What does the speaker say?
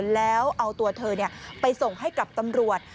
แล้วเอาตัวเธอไปส่งให้กับตำรวจ